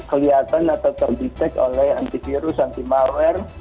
kelihatan atau terdetek oleh antivirus anti malware